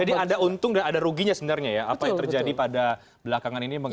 jadi ada untung dan ada ruginya sebenarnya ya apa yang terjadi pada belakangan ini mengenai